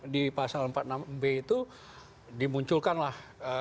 di pasal empat puluh enam b itu dimunculkanlah